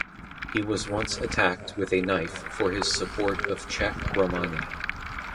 He was once attacked with a knife for his support of Czech Romani.